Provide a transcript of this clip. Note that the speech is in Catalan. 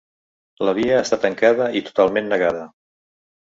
La via està tancada i totalment negada.